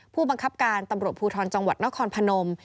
ผู้บังคับการตำรวจภูทรจังหวัดนครพนม